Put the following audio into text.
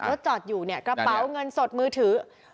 รถจอดอยู่เนี่ยกระเป๋าเงินสดมือถือ